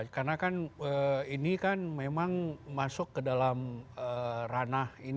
karena kan ini kan memang masuk ke dalam ranah ini